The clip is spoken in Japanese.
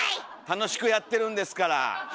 楽しくやってるんですから。